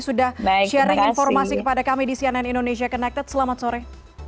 sudah sharing informasi kepada kami di cnn indonesia connected selamat sore